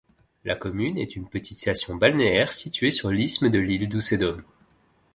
La commune est une petite station balnéaire située sur l'isthme de l'île d'Usedom.